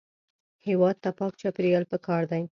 هېواد ته پاک چاپېریال پکار دی